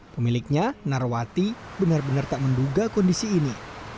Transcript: pemiliknya narwati benar benar tak menduga kondisi ini